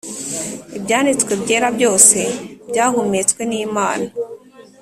Ibyanditswe byera byose byahumetswe n’Imana